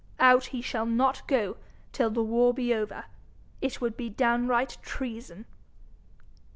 Out he shall not go till the war be over! It would be downright treason.'